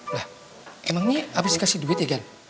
lah emang ini abis kasih duit ya kan